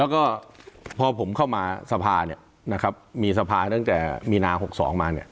ก็พอผมเข้ามาสภามีสภาตั้งแต่มีนา๖๒มา